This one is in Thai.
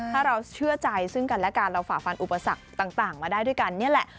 ถ้าเราเชื่อใจซึ่งกันและกันเราฝ่าฟันอุปสรรคต่างมาได้ด้วยกันนี่แหละ